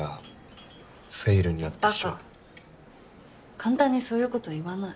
簡単にそういうこと言わない。